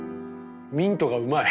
ミントがうまい。